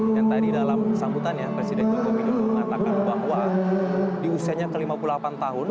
dan tadi dalam kesambutannya presiden joko widodo mengatakan bahwa di usianya ke lima puluh delapan tahun